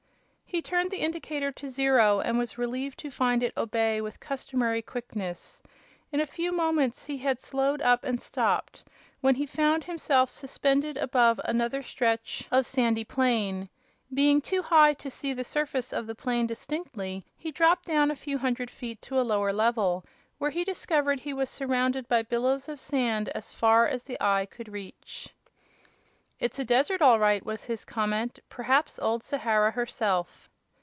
He turned the indicator to zero, and was relieved to find it obey with customary quickness. In a few moments he had slowed up and stopped, when he found himself suspended above another stretch of sandy plain. Being too high to see the surface of the plain distinctly he dropped down a few hundred feet to a lower level, where he discovered he was surrounded by billows of sand as far as his eye could reach. "It's a desert, all right," was his comment; "perhaps old Sahara herself."